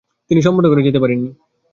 তিনি সম্পন্ন করে যেতে পারেন নি।